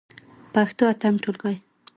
پښتو اتم ټولګی.